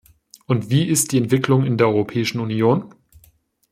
Und wie ist die Entwicklung in der Europäischen Union?